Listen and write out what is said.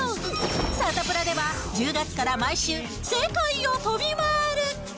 サタプラでは１０月から毎週、世界を飛び回る。